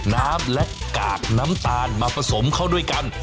น้ำและกากน้ำตาลมาผสมเข้าด้วยกัน